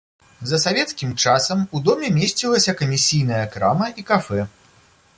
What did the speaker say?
За савецкім часам у доме месцілася камісійная крама і кафэ.